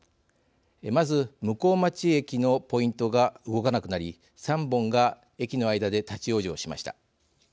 まず向日町駅のポイントが動かなくなり３本が駅の間で立往生しました。